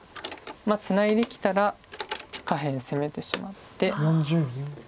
ツナいできたら下辺攻めてしまって。